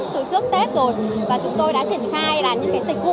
từ trước tết rồi và chúng tôi đã triển khai là những cái tịch vụ